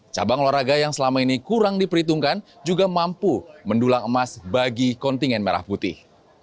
cabang olahraga yang selama ini kurang diperhitungkan juga mampu mendulang emas bagi kontingen merah putih